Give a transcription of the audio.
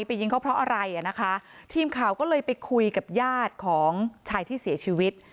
ยิงเขาเพราะอะไรอ่ะนะคะทีมข่าวก็เลยไปคุยกับญาติของชายที่เสียชีวิต